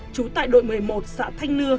trú tại đội một mươi một xã thanh nưa